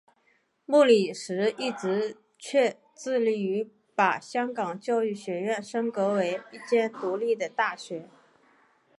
莫礼时一直却致力于把香港教育学院升格为一间独立的大学。